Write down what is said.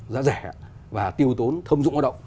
giá rẻ và tiêu tốn thâm dụng lao động